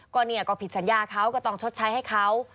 ก็ผิดสัญญาเขาก็ต้องชดใช้ให้เขา